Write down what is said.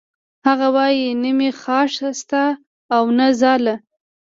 هغه وایی نه مې خاښ شته او نه ځاله